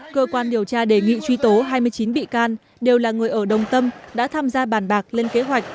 cơ quan điều tra đề nghị truy tố hai mươi chín bị can đều là người ở đồng tâm đã tham gia bàn bạc lên kế hoạch